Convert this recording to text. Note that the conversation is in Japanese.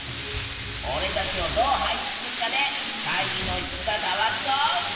おれたちをどう配置するかで会議の質が変わるぞ！